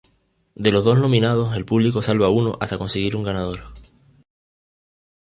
De los dos nominados el público salva a uno hasta conseguir un ganador.